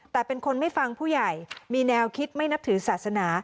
แต่เป็นคนไม่ฟังผู้ใหญ่มีแนวคิดไม่นับถือศาสนา